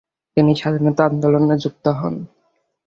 তিনি স্বাধীনতা আন্দোলনে যুক্ত হন।